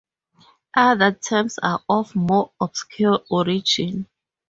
Other terms are of more obscure origin.